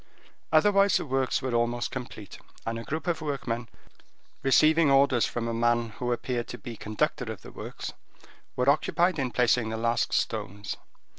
Otherwise, the works were almost complete, and a group of workmen, receiving orders from a man who appeared to be conductor of the works, were occupied in placing the last stones.